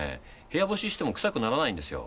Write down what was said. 部屋干ししてもくさくならないんですよ